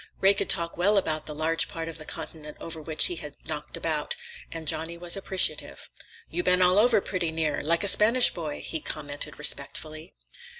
Ray could talk well about the large part of the continent over which he had been knocked about, and Johnny was appreciative. "You been all over, pretty near. Like a Spanish boy," he commented respectfully.